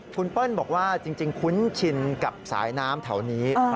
คุณเปิ้ลบอกว่าจริงคุ้นชินกับสายน้ำแถวนี้